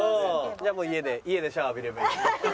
じゃあもう家で家でシャワー浴びればいい。